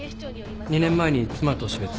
２年前に妻と死別。